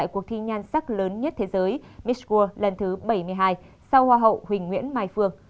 cuộc thi nhan sắc lớn nhất thế giới mitsual lần thứ bảy mươi hai sau hoa hậu huỳnh nguyễn mai phương